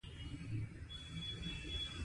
که اړين وای نو ولي يي زنګ نه وهلو